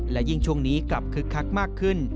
และยิ่งช่วงนี้กลับคึกคักมากขึ้น